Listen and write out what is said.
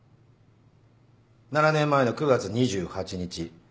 ７年前の９月２８日。